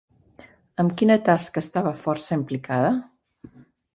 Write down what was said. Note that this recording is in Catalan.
Amb quina tasca estava força implicada?